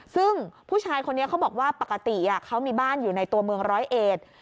ซึ่งผู้ชายคนนี้เขาบอกว่าปกติเขามีบ้านอยู่ในตัวเมืองร้อยเอ็ด